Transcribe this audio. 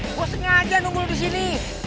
gue sengaja nunggu lo disini